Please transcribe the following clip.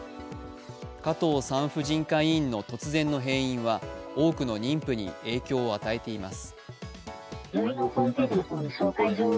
加藤産婦人科医院の突然の閉院は多くの妊婦に影響を与えています。